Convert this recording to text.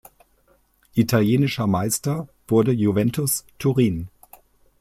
Italienischer Meister wurde Juventus Turin.